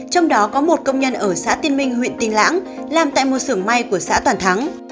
trong đó có một công nhân ở xã tiên minh huyện tiên lãng làm tại một sưởng may của xã toàn thắng